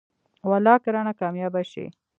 والله که رانه کاميابه شې.